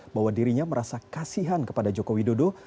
bahwa dirinya merasa kasihan kepada jokowi dodo